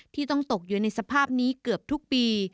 ที่ต้องตกอยู่ในสภาพนี้เกือบทุกปี